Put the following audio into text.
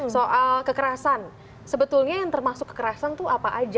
soal kekerasan sebetulnya yang termasuk kekerasan itu apa aja